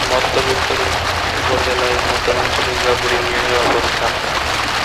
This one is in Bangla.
মতলব উত্তর উপজেলার মধ্যাংশে দুর্গাপুর ইউনিয়নের অবস্থান।